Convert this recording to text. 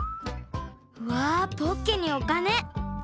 うわポッケにおかね。